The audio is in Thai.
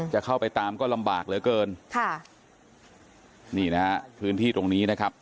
จะเข้าไปตามก็ลำบากเหลือเกินค่ะนี่นะฮะพื้นที่ตรงนี้นะครับ